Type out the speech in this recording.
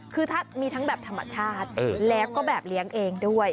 คือถ้ามีทั้งแบบธรรมชาติแล้วก็แบบเลี้ยงเองด้วย